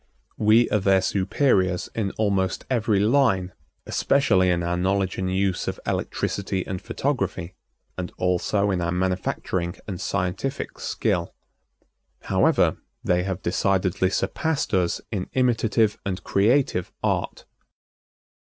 We are their superiors in almost every line, especially in our knowledge and use of electricity and photography, and also in our manufacturing and scientific skill. However, they have decidedly surpassed us in imitative and creative art.